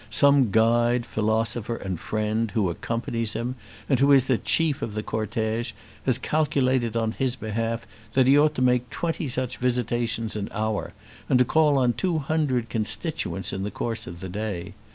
Some guide, philosopher, and friend, who accompanies him, and who is the chief of the cortège, has calculated on his behalf that he ought to make twenty such visitations an hour, and to call on two hundred constituents in the course of the day.